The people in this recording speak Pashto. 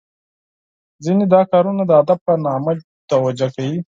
ځینې دا کارونه د ادب په نامه توجه کوي .